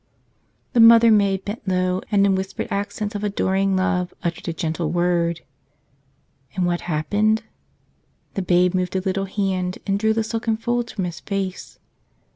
The Mother Maid bent low and in whispered accents of adoring love uttered a gentle word. And what happened? The Babe moved a little hand and drew the silken folds from His face.